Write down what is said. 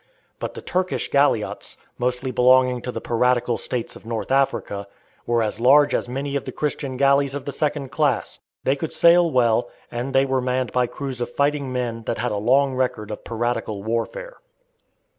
But the Turkish galliots, mostly belonging to the piratical states of North Africa, were as large as many of the Christian galleys of the second class; they could sail well, and they were manned by crews of fighting men that had a long record of piratical warfare.